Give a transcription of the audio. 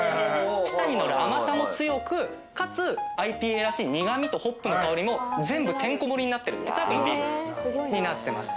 舌に乗る甘さも強くかつＩＰＡらしい苦味とホップの香りも全部てんこ盛りになってるビールになってます。